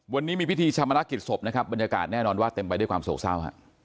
วันนี้มีพิธีชามนักกิจศพนะครับบรรยากาศแน่นอนว่าเต็มไปด้วยความโศกเศร้า